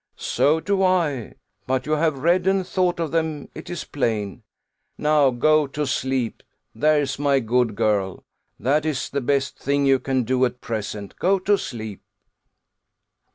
"So do I; but you have read and thought of them, it is plain. Now go to sleep, there's my good girl; that is the best thing you can do at present go to sleep."